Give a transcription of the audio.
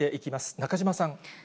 中島さん。